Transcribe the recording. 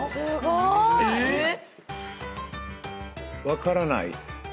分からない。